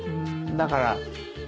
だから。